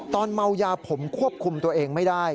ตอนเมายาผมควบคุมตัวเองไม่ได้